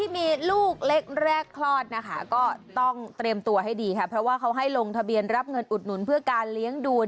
มามาฟังกัน